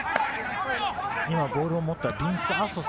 今ボールを持った、ヴィンス